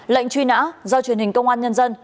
lệnh truy nã do truyền hình công an nhân dân